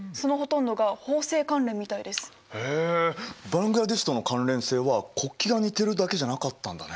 へえバングラデシュとの関連性は国旗が似てるだけじゃなかったんだね。